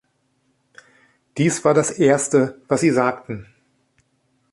Dies war das Erste, was sie sagten.